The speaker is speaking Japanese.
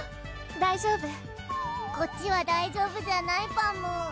大丈夫こっちは大丈夫じゃないパム！